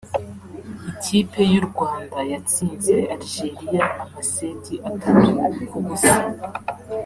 Ikipe y’u Rwanda yatsinze Algeria amaseti atatu ku busa